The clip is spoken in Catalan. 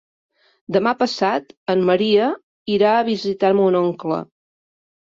Demà passat en Maria irà a visitar mon oncle.